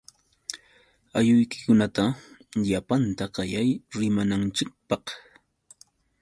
Aylluykikunata llapanta qayay rimananchikpaq.